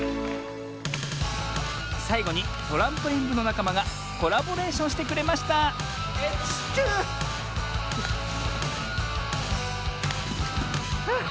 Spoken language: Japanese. さいごにトランポリンぶのなかまがコラボレーションしてくれましたあっ。